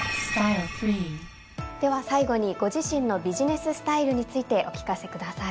では最後にご自身のビジネススタイルについてお聞かせください。